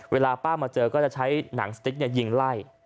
เวลาป้ามาเจอก็จะใช้หนังสติ๊กยิงไล่